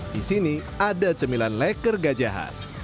di sini ada cemilan leker gajahan